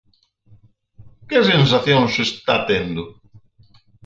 Que sensacións está tendo?